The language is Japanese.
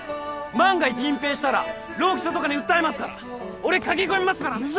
万が一隠ぺいしたら労基署とかに訴えますから俺駆け込みますからね